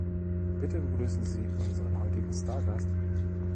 Bitte begrüßen Sie unseren heutigen Stargast!